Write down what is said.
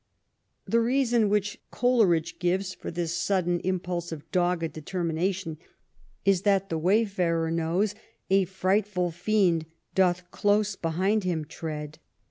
The reason which Coleridge gives for this sudden im pulse of dogged determination is that the wayfarer knows a " frightful fiend doth close behind him tread.